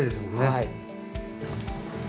はい。